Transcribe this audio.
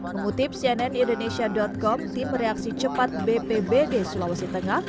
mengutip cnnindonesia com tim reaksi cepat bpbd sulawesi tengah